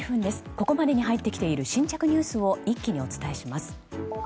ここまで入ってきている新着ニュースを一気にお伝えします。